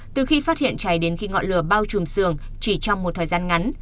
từ khi phát hiện cháy đến khi ngọn lửa bao trùm sườn chỉ trong một thời gian ngắn